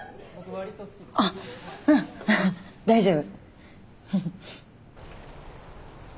あっうん大丈夫。